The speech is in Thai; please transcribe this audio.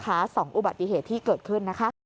เพราะว่าสองอุบัติเหตุที่เกิดขึ้นนะคะ